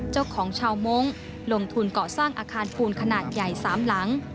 เจ้าของชาวมงค์ลงทุนเกาะสร้างอาคารปูนขนาดใหญ่๓หลัง